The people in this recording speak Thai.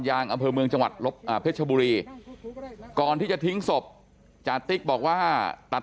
ยางอำเภอเมืองจังหวัดเพชรบุรีก่อนที่จะทิ้งศพจาติ๊กบอกว่าตัด